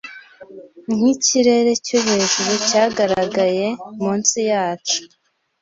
nkikirere cyo hejuru cyagaragaye munsi yacu